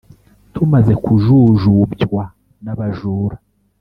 Tumaze kujujubywa n’abajura